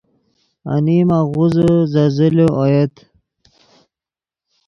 انیم آغوزے زیزلے اویت